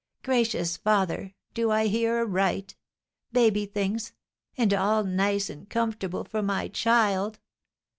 Gracious Father! Do I hear aright? Baby things! and all nice and comfortable for my child!